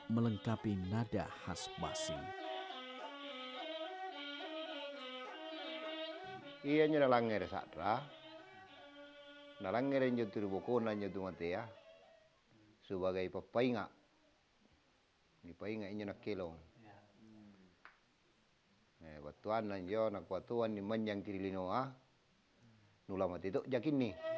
melengkapi nada khas basi